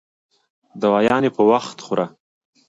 دوايانې په وخت خوره